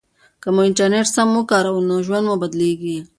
که موږ انټرنیټ سم وکاروو نو ژوند مو بدلیږي.